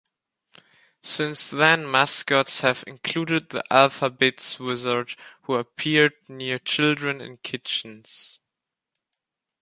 Since then, mascots have included the Alpha-Bits Wizard, who appeared near children in kitchens.